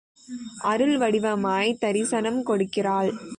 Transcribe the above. அருள் வடிவமாய்த் தரிசனம் கொடுக்கிறாள்.